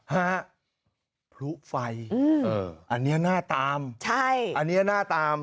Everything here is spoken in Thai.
ฮะพลุไฟอันนี้น่าตามใช่อันนี้น่าตาม